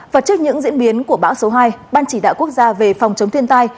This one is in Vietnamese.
và trước những diễn biến của bão số hai ban chỉ đạo quốc gia về phòng chống thiên tai